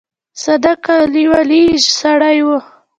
ساده کلیوالي سړی و.